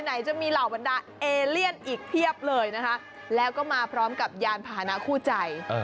ไหนจะมีเหล่าบรรดาเอเลียนอีกเพียบเลยนะคะแล้วก็มาพร้อมกับยานพาหนะคู่ใจ